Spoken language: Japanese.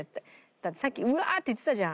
だってさっき「うわー！」って言ってたじゃん。